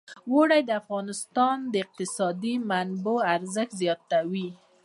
اوړي د افغانستان د اقتصادي منابعو ارزښت زیاتوي.